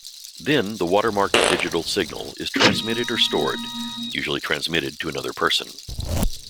Then the watermarked digital signal is transmitted or stored, usually transmitted to another person.